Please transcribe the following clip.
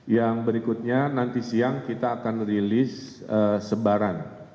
yang berikutnya nanti siang kita akan rilis sebaran